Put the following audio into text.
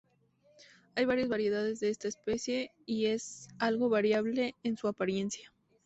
Hay varias variedades de esta especie, y es algo variable en su apariencia.